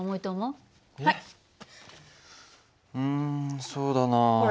うんそうだなあ。